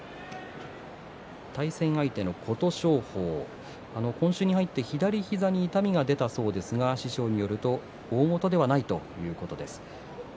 対戦相手の琴勝峰、今週に入って左足に痛みが出たということですが師匠によると大ごとではないということです。。